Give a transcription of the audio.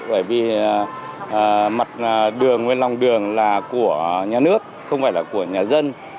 bởi vì mặt đường hay lòng đường là của nhà nước không phải là của nhà dân